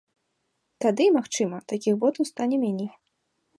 Тады, магчыма, такіх ботаў стане меней.